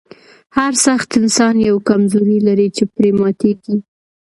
هر سخت انسان یوه کمزوري لري چې پرې ماتیږي